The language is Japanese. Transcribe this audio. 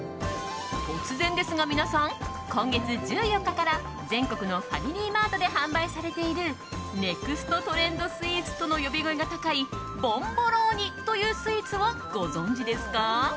突然ですが皆さん今月１４日から全国のファミリーマートで販売されているネクストトレンドスイーツとの呼び声が高いボンボローニというスイーツをご存じですか？